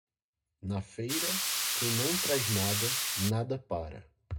Na feira, quem não traz nada, nada para.